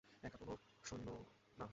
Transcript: একা, কোনো সৈন্য না।